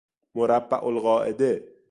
مربع القاعده